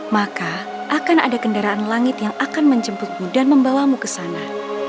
maka akan ada kendaraan langit yang akan menjemputmu dan membawamu ke sana